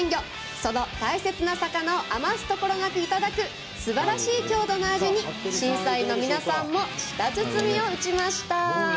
その大切な魚を余すところなくいただくすばらしい郷土の味に審査員の皆さんも舌鼓を打ちました。